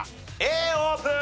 Ａオープン！